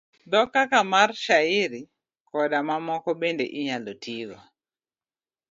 Dhok kaka mar shairi, koda mamoko bende inyalo tigo